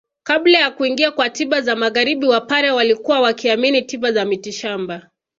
Kabla ya kuingia kwa tiba za magharibi wapare walikuwa wakiamini tiba za mitishamba